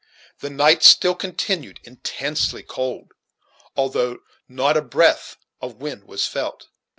The night still continued intensely cold, although not a breath of wind was felt.